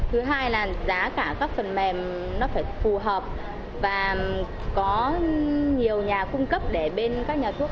thứ hai là giá cả các phần mềm nó phải phù hợp và có nhiều nhà cung cấp để bên các nhà thuốc